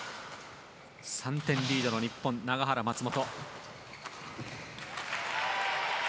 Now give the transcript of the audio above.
３点リードの日本永原、松本。